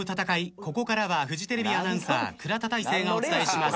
ここからはフジテレビアナウンサー倉田大誠がお伝えします。